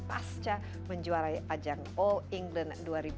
pasca menjuara ajang all england dua ribu enam belas